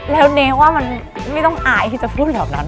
แล้วเนว่ามันไม่ต้องอายที่จะพูดแบบนั้น